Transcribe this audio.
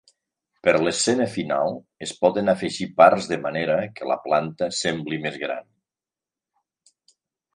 Per l'escena final, es poden afegir parts de manera que la planta sembli més gran.